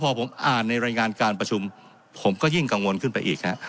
พอผมอ่านในรายงานการประชุมผมก็ยิ่งกังวลขึ้นไปอีกฮะ